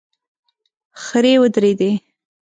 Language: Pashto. خرې ودرېدې.